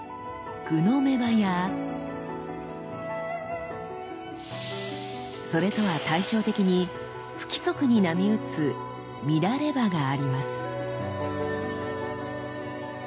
「互の目刃」やそれとは対照的に不規則に波打つ「乱刃」があります。